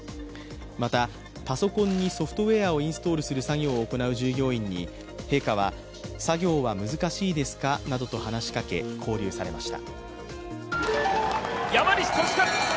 また、パソコンにソフトウェアをインストールする作業を行う従業員に陛下は作業は難しいですか？などと話しかけ交流されました。